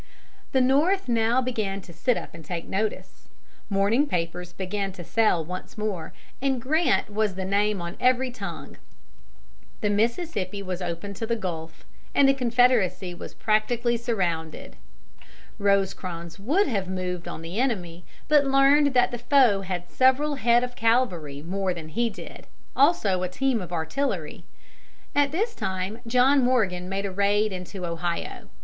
The North now began to sit up and take notice. Morning papers began to sell once more, and Grant was the name on every tongue. The Mississippi was open to the Gulf, and the Confederacy was practically surrounded. [Illustration: ATTRACTED MORE ATTENTION THAN THE COLLECTION.] Rosecrans would have moved on the enemy, but learned that the foe had several head of cavalry more than he did, also a team of artillery. At this time John Morgan made a raid into Ohio.